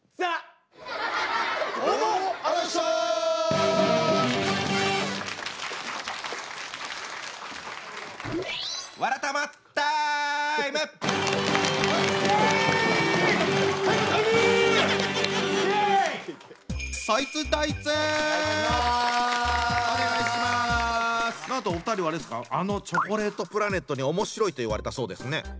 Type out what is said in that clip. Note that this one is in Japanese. あのチョコレートプラネットに「おもしろい」と言われたそうですね。